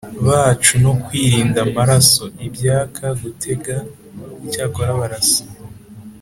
bacu no kwirinda amaraso Ibyaka Gutega Icyakora barasa